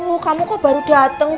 uh kamu kok baru dateng